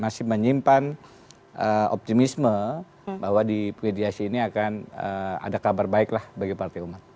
masih menyimpan optimisme bahwa di mediasi ini akan ada kabar baik lah bagi partai umat